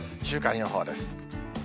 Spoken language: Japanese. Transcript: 週間予報です。